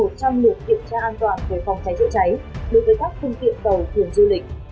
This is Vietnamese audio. đã tiến hành hơn một trăm linh lượt kiểm tra an toàn về phòng cháy chữa cháy đối với các thương tiện tàu thường du lịch